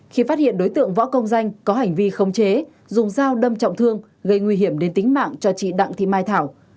khi phát hiện đối tượng võ công danh có hành vi khống chế dùng dao đâm trọng thương gây nguy hiểm đến tính mạng cho chị đặng thị mai thảo